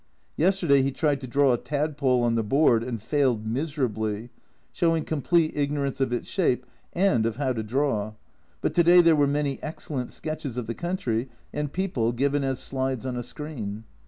Yesterday he tried to draw a tadpole on the board, and failed miserably, showing complete ignorance of its shape and of how to draw, but to day there were many excellent sketches of the country and people given as slides on a screen.